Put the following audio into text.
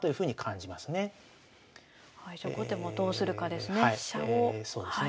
じゃあ後手もどうするかですね。